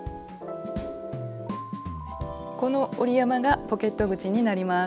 この折り山がポケット口になります。